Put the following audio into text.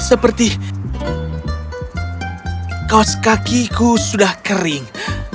seperti kaos kakiku sudah kering